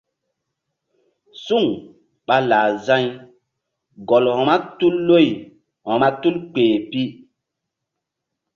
Suŋ ɓa lah za̧y gɔl vba tul loy vba tul kpeh pi.